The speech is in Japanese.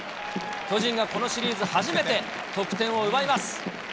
巨人がこのシリーズ初めて得点を奪います。